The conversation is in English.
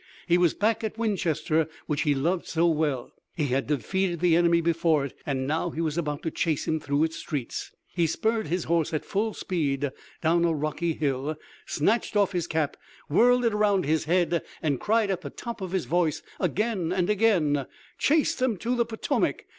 He was back at Winchester which he loved so well, he had defeated the enemy before it, and now he was about to chase him through its streets. He spurred his horse at full speed down a rocky hill, snatched off his cap, whirled it around his head and cried at the top of his voice again and again: "Chase them to the Potomac!